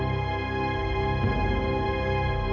tim supaya bisa mabuk dia